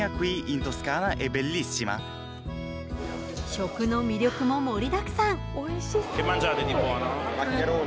食の魅力も盛りだくさん。